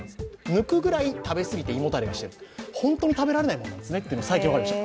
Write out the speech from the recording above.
抜くぐらい食べ過ぎて胃もたれをしていると、本当に食べられないものなんだって最近分かりました。